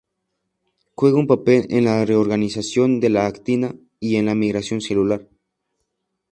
Juega un papel en la reorganización de la actina y en la migración celular.